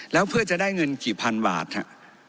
แล้วเพื่อจะได้เงินกี่พันบาทครับ